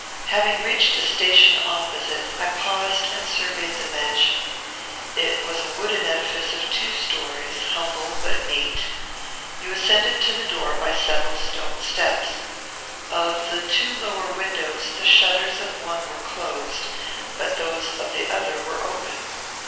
Having reached a station opposite, I paused and surveyed the mansion. It was a wooden edifice of two stories, humble, but neat. You ascended to the door by several stone steps. Of the two lower windows, the shutters of one were closed, but those of the other were open.